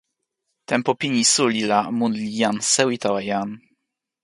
tenpo pini suli la, mun li jan sewi tawa jan.